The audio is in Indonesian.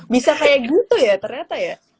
bisa kayak gitu ya ternyata ya